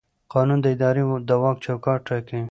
قانون د ادارې د واک چوکاټ ټاکي.